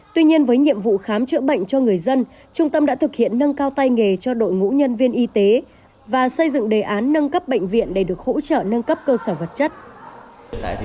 tuy nhiên với nhiệm vụ khám chữa bệnh cho người dân trung tâm đã thực hiện nâng cao tay nghề cho đội ngũ nhân viên y tế và xây dựng đề án nâng cấp bệnh viện để được hỗ trợ nâng cấp cơ sở vật chất